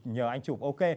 nhờ anh chụp ok